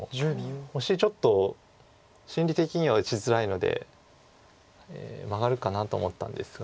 オシちょっと心理的には打ちづらいのでマガるかなと思ったんですが。